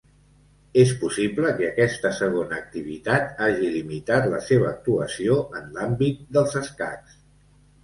És possible que aquesta segona activitat hagi limitat la seva actuació en l'àmbit dels escacs.